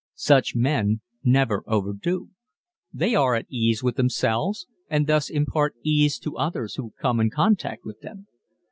Such men never overdo. They are at ease with themselves and thus impart ease to others who come in contact with them.